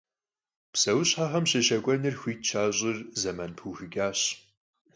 Pseuşhexem şêşek'uenır xuit şaş'ır zeman pıuxıç'arş.